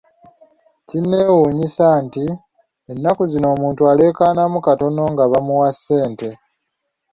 Kinnewunyisa nti kati ennaku zino omuntu aleekanamu katono nga bamuwa ssente.